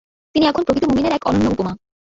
তিনি এখন প্রকৃত মুমিনের এক অনন্য উপমা।